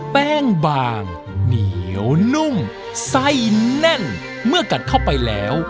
แป้งบางเหนียวนุ่มไส้แน่นเมื่อกัดเข้าไปแล้ว